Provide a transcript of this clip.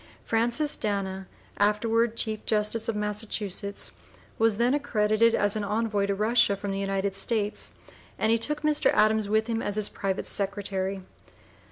Francis Dana, afterward Chief Justice of Massachusetts, was then accredited as an envoy to Russia from the United States, and he took Mr. Adams with him as his private secretary.